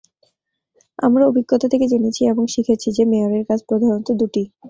আমরা অভিজ্ঞতা থেকে জেনেছি এবং শিখেছি যে মেয়রের কাজ প্রধানত দুটি।